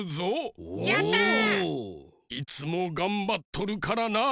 いつもがんばっとるからな。